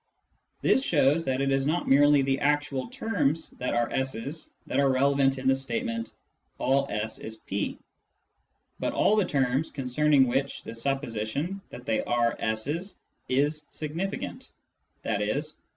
This shows that it is not merely the actual terms that are S's that are relevant in the statement " all S is P," but all the terms concerning which the supposition that they are S's is significant, i.e.